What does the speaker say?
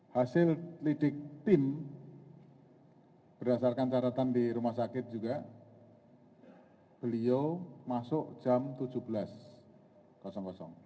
hasil lidik pin berdasarkan caratan di rumah sakit juga beliau masuk jam tujuh belas